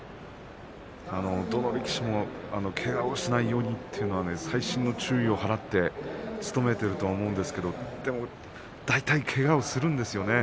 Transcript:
どの力士もけがをしないようにと細心の注意を払って務めていると思うんですけれど大体けがをするんですよ